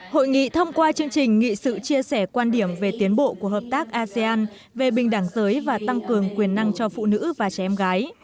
hội nghị thông qua chương trình nghị sự chia sẻ quan điểm về tiến bộ của hợp tác asean về bình đẳng giới và tăng cường quyền năng cho phụ nữ và trẻ em gái